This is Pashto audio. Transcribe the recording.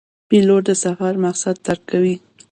پیلوټ د سفر مقصد درک کوي.